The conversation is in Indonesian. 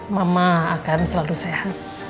mama akan selalu sehat